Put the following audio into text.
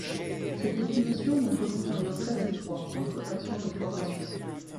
Cette définition montre donc un lien très étroit entre action et formation.